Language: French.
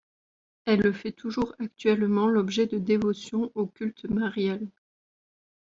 Elle fait toujours actuellement l'objet de dévotions au culte marial.